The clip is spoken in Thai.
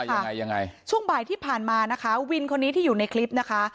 ยังไงยังไงช่วงบ่ายที่ผ่านมานะคะวินคนนี้ที่อยู่ในคลิปนะคะ